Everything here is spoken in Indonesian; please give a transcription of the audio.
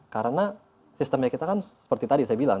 karena sistemnya kita kan seperti tadi saya bilang